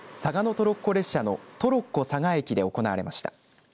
トロッコ列車のトロッコ嵯峨駅で行われました。